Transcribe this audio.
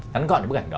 nắn gọn bức ảnh đó